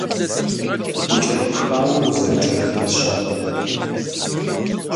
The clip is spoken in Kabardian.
УкӀэрыпхауэ узэрыкӀэрытыр-щэ?